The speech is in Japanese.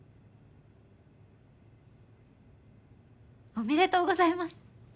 おめでとうございます！